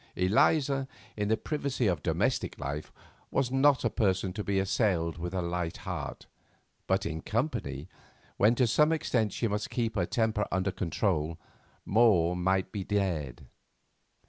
Eliza, in the privacy of domestic life, was not a person to be assailed with a light heart, but in company, when to some extent she must keep her temper under control, more might be dared.